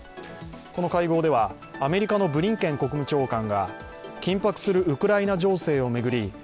この会合ではアメリカのブリンケン国務長官が緊迫するウクライナ情勢を巡り